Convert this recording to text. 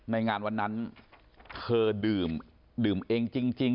ในงานวันนั้นเธอดื่มเองจริง